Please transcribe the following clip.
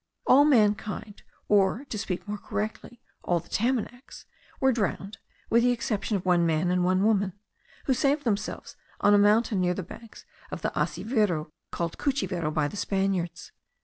All mankind, or, to speak more correctly, all the Tamanacs, were drowned, with the exception of one man and one woman, who saved themselves on a mountain near the banks of the Asiveru, called Cuchivero by the Spaniards.